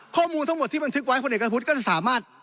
ข้อมูลทั้งหมดที่บันทึกไว้คนเอกวุฒิก็จะสามารถ